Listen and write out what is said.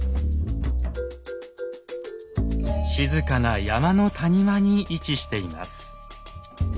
静かな山の谷間に位置しています。